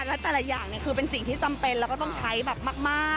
และแต่ละอย่างคือเป็นสิ่งที่จำเป็นแล้วก็ต้องใช้แบบมาก